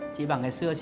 chị bảo ngày xưa chị